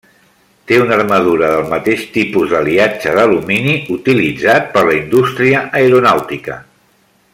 Té una armadura del mateix tipus d'aliatge d'alumini utilitzat per la indústria aeronàutica.